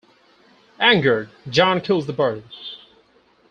Angered, John kills the bird.